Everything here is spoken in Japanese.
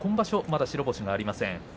まだ白星がありません。